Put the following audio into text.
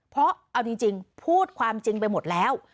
เพราะเอาจริงพูดความจริงไปหมดแล้ว